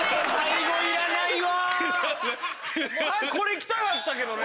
早くこれ行きたかったけどね。